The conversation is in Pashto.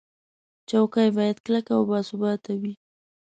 چوکۍ باید کلکه او باثباته وي.